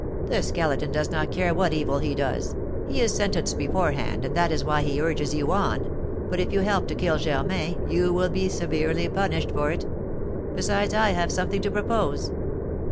The Skeleton does not care what evil he does; he is sentenced beforehand, and that is why he urges you on; but if you help to kill Germain, you will be severely punished for it. Besides, I have something to propose.